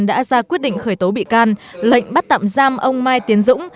đã ra quyết định khởi tố bị can lệnh bắt tạm giam ông mai tiến dũng